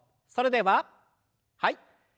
それでははい。